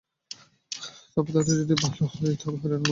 তবে তাতে যদি দেশের ভালো হয়, তাই হয়রানি মনে করছি না।